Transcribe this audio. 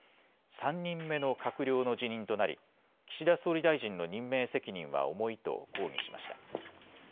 ３人目の閣僚の辞任となり岸田総理大臣の任命責任は重いと抗議しました。